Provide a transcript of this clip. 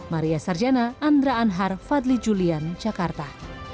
maria sarjana andra anhar fadli julian jakarta